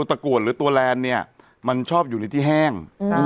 ส่วนตัวกลรัดหรือตัวล้านชอบอยู่ในที่แห้ง